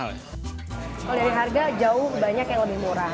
kalau dari harga jauh banyak yang lebih murah